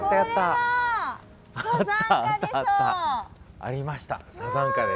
ありました。